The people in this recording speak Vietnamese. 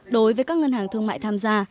đối với các ngân hàng thương mại tham gia